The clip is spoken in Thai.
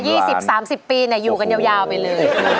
สิบสามสิบปีเนี่ยอยู่กันยาวยาวไปเลย